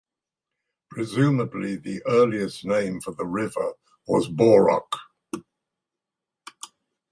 Presumably the earliest name for the river was Boruch.